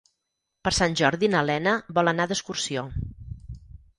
Per Sant Jordi na Lena vol anar d'excursió.